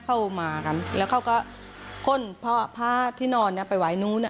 เข้ามากันแล้วเขาก็ก้นพ่อพระที่นอนเนี่ยไปไว้นู้น